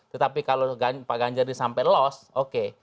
tetapi kalau pak ganjar ini sampai lost oke